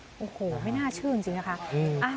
โอ้โหไม่น่าเชื่อจริงนะคะ